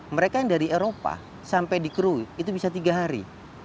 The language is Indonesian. mereka yang dari eropa sampai di krui itu bisa tiga hari